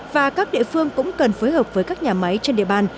và các địa phương cũng cần phối hợp với các nhà máy trên địa bàn